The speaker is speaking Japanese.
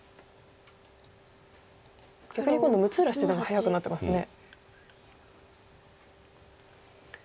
逆に今度六浦七段が早くなってますね。